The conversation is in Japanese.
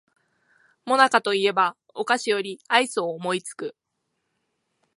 もなかと言えばお菓子よりアイスを思いつく